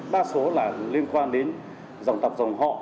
đa số liên quan đến dòng tập dòng họ